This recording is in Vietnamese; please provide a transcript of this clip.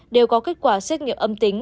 đều có kết quả xét nghiệm âm tính